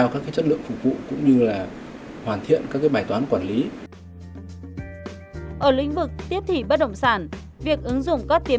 bkav cho rằng xu hướng nhà thông minh đang dần trở nên phổ biến tại việt nam